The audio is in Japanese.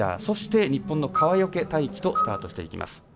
そして、日本の川除大輝とスタートしていきます。